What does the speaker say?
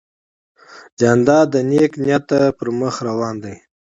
جانداد د نیک نیت پر مخ روان دی.